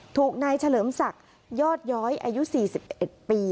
ถูกนายเฉลิมศักดิ์ยอดย้อยอายุ๔๑ปี